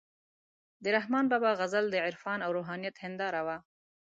د رحمان بابا غزل د عرفان او روحانیت هنداره وه،